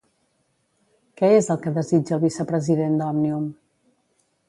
Què és el que desitja el vicepresident d'Òmnium?